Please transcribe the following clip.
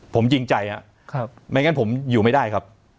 ผมจริงใจครับไม่งั้นผมอยู่ไม่ได้ครับ